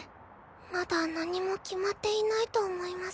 まだ何も決まっていないと思います。